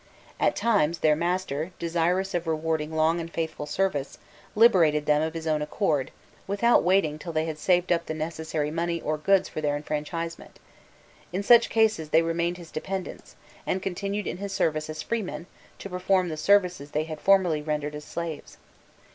At times, their master, desirous of rewarding long and faithful service, liberated them of his own accord, without waiting till they had saved up the necessary money or goods for their enfranchisement: in such cases they remained his dependants, and continued in his service as freemen to perform the services they had formerly rendered as slaves.